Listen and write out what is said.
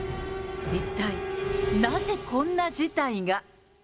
一体、なぜこんな事態が？